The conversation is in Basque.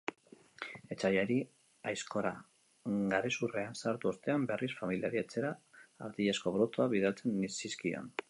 Etsaiari aizkora garezurrean sartu ostean, berriz, familiari etxera artilezko produktuak bidaltzen zizkion.